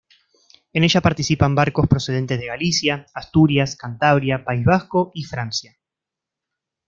En ella participan barcos procedentes de Galicia, Asturias, Cantabria, País Vasco y Francia.